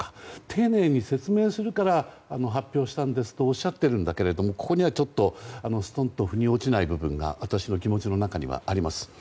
丁寧に説明するから発表したんですとおっしゃっているんだけれどもここにはちょっと、すとんと腑に落ちない部分が私の気持ちの中にはあります。